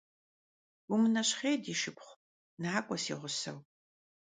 Vumıneşxhêy, di şşıpxhu, nak'ue si ğuseu.